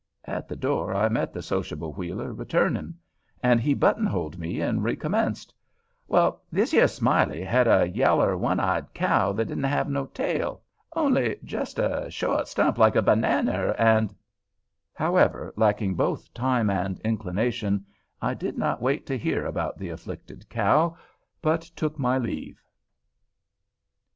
At the door I met the sociable Wheeler returning, and he buttonholed me and recommenced: "Well, thish yer Smiley had a yaller, one eyed cow that didn't have no tail, only jest a short stump like a bannanner, and——" However, lacking both time and inclination, I did not wait to hear about the afflicted cow, but took my leave.